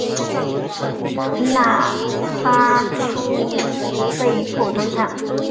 纳哈出被迫投降。